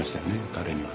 彼には。